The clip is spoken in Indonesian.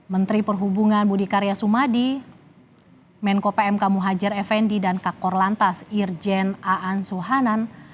menteri perhubungan budi karya sumadi menko pmk muhajir effendi dan kakor lantas irjen aan suhanan